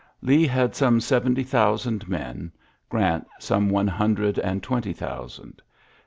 Lee had some seventy thousand men : Grant^ some one hundred and twenty thousand.